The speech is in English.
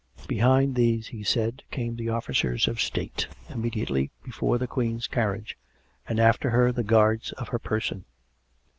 Behind these, he said, came the officers of State immediately before the Queen's carriage, and after her the guards of her person.